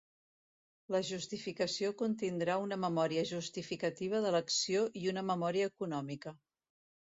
La justificació contindrà una memòria justificativa de l'acció i una memòria econòmica.